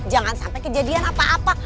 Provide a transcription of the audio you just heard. jangan sampai kejadian apa apa